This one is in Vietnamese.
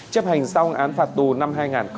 chấp hành sau án phạt tù năm hai nghìn một mươi chín